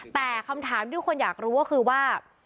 แต่คำถามที่ทุกคนอยากรู้ก็คือว่า